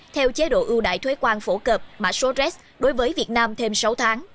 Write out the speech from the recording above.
theo chế độ ưu đại thuế quan phổ cập mã số rex đối với việt nam thêm sáu tháng